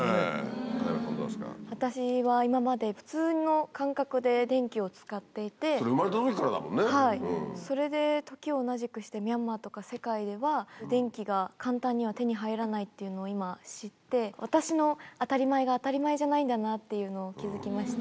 私は今まで、普通の感覚で電それは生まれたときからだもはい、それで、時を同じくして、ミャンマーとか世界では、電気が簡単には手に入らないっていうのを、今知って、私の当たり前が当たり前じゃないんだなぁっていうのを気付きました。